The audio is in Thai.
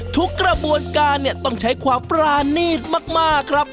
กระบวนการเนี่ยต้องใช้ความปรานีตมากครับ